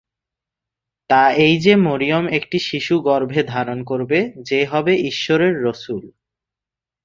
তা এই যে, মরিয়ম একটি শিশু গর্ভে ধারণ করবে যে হবে ঈশ্বরের রসূল।